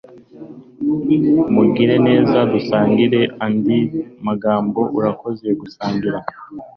Mugire neza dusangire andi magambo. Urakoze gusangira